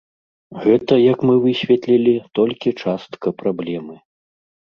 Гэта, як мы высветлілі, толькі частка праблемы.